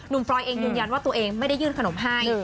ปลอยเองยืนยันว่าตัวเองไม่ได้ยื่นขนมให้